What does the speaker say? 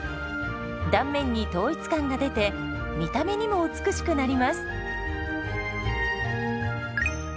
断面に統一感が出て見た目にも美しくなります。